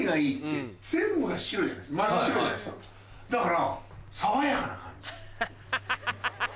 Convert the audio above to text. だから。